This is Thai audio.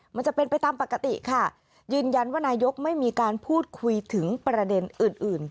มันจะเป็นไปตามปกติค่ะยืนยันว่านายกไม่มีการพูดคุยถึงประเด็นอื่นอื่น